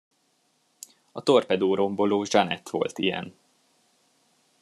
A torpedóromboló Jeanette volt ilyen.